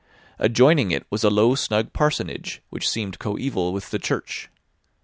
Adjoining it was a low snug parsonage, which seemed coeval with the church.